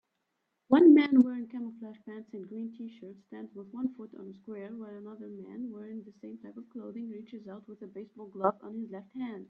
One man wearing camouflage pants and green tshirt stands with one foot on a square while another man wearing the same type of clothing reaches out with a baseball glove on his left hand